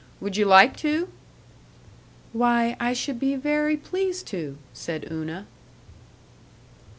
Would you like to?" "Why, I should be very pleased to," said Una.